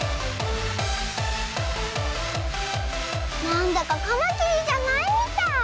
なんだかカマキリじゃないみたい。